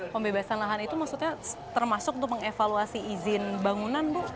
pembebasan lahan itu maksudnya termasuk untuk mengevaluasi izin bangunan bu